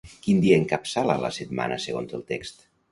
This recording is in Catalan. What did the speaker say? Quin dia encapçala la setmana segons el text?